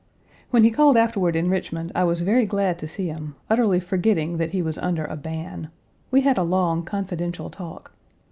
When he called afterward in Richmond I was very glad to see him, utterly forgetting that he was under a ban. We had a long, confidential talk.